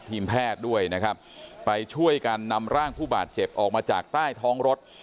ทีมแพทย์ด้วยนะครับไปช่วยกันนำร่างผู้บาดเจ็บออกมาจากใต้ท้องรถ